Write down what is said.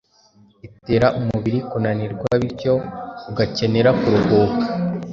itera umubiri kunanirwa bityo ugakenera kuruhuka.